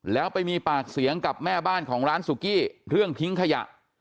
แล้วไปมีปากเสียงกับแม่บ้านของร้านสุกี้เรื่องทิ้งขยะ